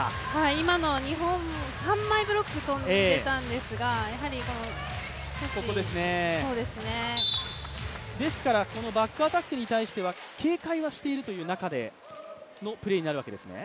今、日本、３枚ブロック跳んでいたんですがですからこのバックアタックに対しては警戒している中でのプレーになるわけですね。